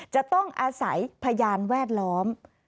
จะต้องอาศัยพยานแวดล้อม